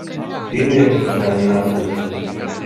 Pirmie kucēni jāslīcina.